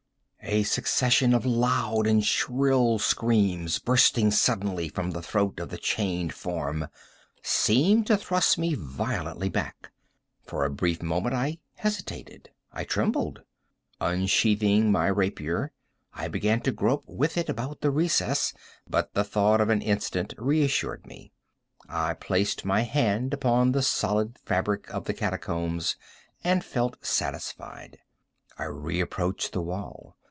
A succession of loud and shrill screams, bursting suddenly from the throat of the chained form, seemed to thrust me violently back. For a brief moment I hesitated—I trembled. Unsheathing my rapier, I began to grope with it about the recess; but the thought of an instant reassured me. I placed my hand upon the solid fabric of the catacombs, and felt satisfied. I reapproached the wall.